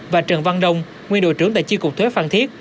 và trần văn đông nguyên đội trưởng tại chi cục thuế phan thiết